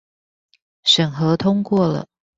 審核通過了